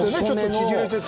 縮れてて。